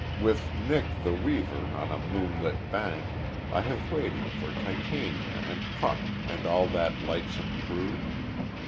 With Nick the Weaver on a moonlit bank I have waited for Titania and Puck and all that lightsome crew.